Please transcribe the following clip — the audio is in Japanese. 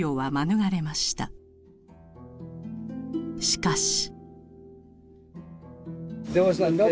しかし。